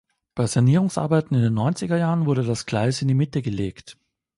Bei Sanierungsarbeiten in den neunziger Jahren wurde das Gleis in die Mitte gelegt.